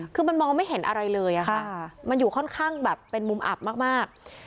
คือมันมองไม่เห็นอะไรเลยค่ะมันอยู่ค่อนข้างแบบเป็นมุมอับมาก